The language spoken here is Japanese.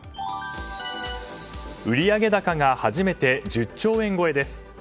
売上高が初めて１０兆円超えです。